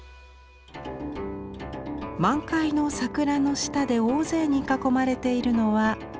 満開の桜の下で大勢に囲まれているのは孔雀。